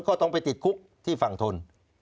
ก็ต้องไปติดคุกที่ฝั่งทน